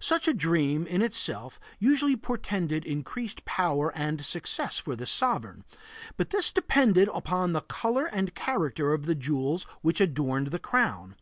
Such a dream, in itself, usually portended increased power and success for the sovereign, but this depended upon the color and character of the jewels which adorned the crown.